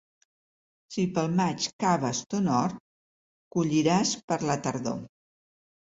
Si pel maig caves ton hort, colliràs per la tardor.